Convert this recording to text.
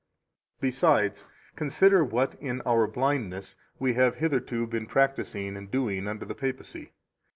11 Besides, consider what, in our blindness, we have hitherto been practising and doing under the Papacy.